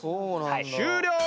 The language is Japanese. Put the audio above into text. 終了！